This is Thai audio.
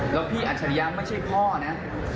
แล้วพี่อัจฉริยะไม่ใช่พ่อนะ